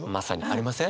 ありません？